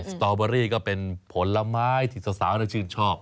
สตอเบอรี่ก็เป็นผลไม้ที่สาวชื่นชอบ